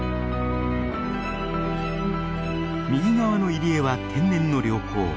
右側の入り江は天然の良港。